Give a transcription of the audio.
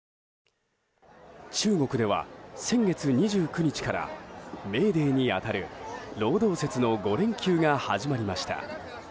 中国では、先月２９日からメーデーに当たる労働節の５連休が始まりました。